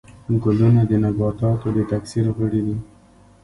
ګلونه د نباتاتو د تکثیر غړي دي